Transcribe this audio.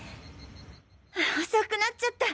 遅くなっちゃった！